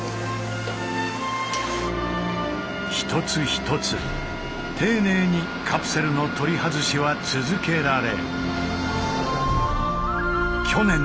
一つ一つ丁寧にカプセルの取り外しは続けられ。